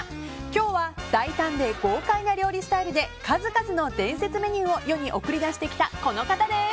今日は大胆で豪快な料理スタイルで数々の伝説メニューを世に送り出してきたこの方です。